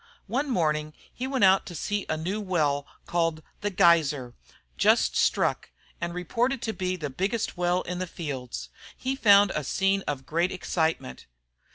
One morning he went out to see a new well, called "The Geyser," just struck, and reported to be the biggest well in the fields. He found a scene of great excitement.